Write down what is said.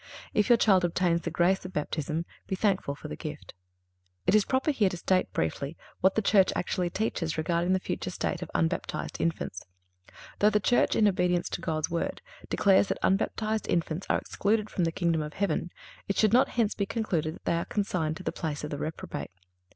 If your child obtains the grace of Baptism be thankful for the gift. It is proper here to state briefly what the Church actually teaches regarding the future state of unbaptized infants. Though the Church, in obedience to God's Word, declares that unbaptized infants are excluded from the kingdom of heaven, it should not hence be concluded that they are consigned to the place of the reprobate.